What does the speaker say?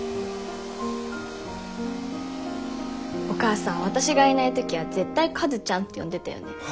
お母さん私がいない時は絶対カズちゃんって呼んでたよね。